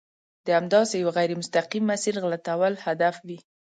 د همداسې یوه غیر مستقیم مسیر غلطول هدف وي.